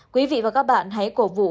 quý vị và các bạn hãy cổ vũ